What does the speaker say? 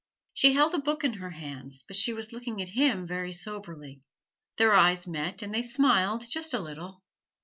She held a book in her hands, but she was looking at him very soberly. Their eyes met, and they smiled just a little.